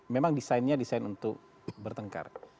memang desainnya desain untuk bertengkar